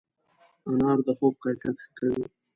انار د خوب کیفیت ښه کوي.